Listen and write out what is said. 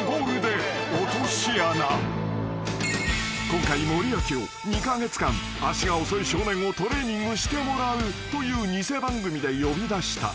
［今回森脇を２カ月間足が遅い少年をトレーニングしてもらうという偽番組で呼び出した］